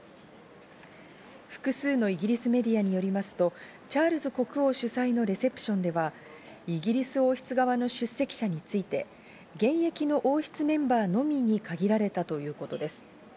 複数のイギリスメディアによりますとチャールズ国王主催のレセプションでは、イギリス王室側の出席者について、現役の王室メンバーのみに限られたということです。